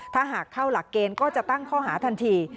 ถ้าหากเข้าหลักเกณฑ์ก็จะตั้งข้อหาทันที